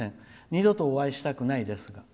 二度とお会いしたくないです」。